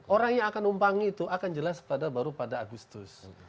orang yang akan numpangi itu akan jelas baru pada agustus